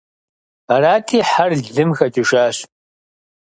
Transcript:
Арати, хьэр лым хэкӀыжащ.